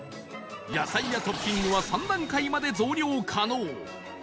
野菜やトッピングは３段階まで増量可能